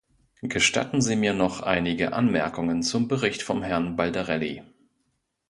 Gestatten Sie mir noch einige Anmerkungen zum Bericht von Herrn Baldarelli.